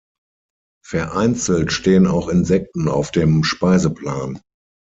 Vereinzelt stehen auch Insekten auf dem Speiseplan.